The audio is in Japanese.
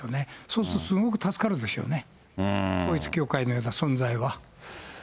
そうすると、すごく助かるでしょうね、統一教会のような存在は。